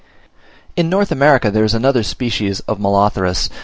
In North America there is another species of Molothrus (M.